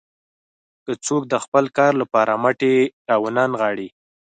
که څوک د خپل کار لپاره مټې راونه نغاړي.